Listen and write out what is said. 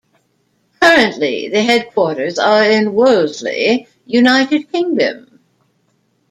Currently the headquarters are in Worsley, United Kingdom.